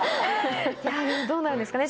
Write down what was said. どうなるんですかね？